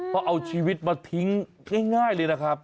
เพราะเอาชีวิตมาทิ้งง่ายเลยนะครับ